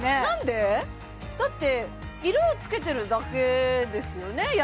なんで？だって色をつけてるだけですよね？